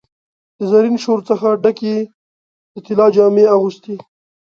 د زرین شور څخه ډکي، د طلا جامې اغوستي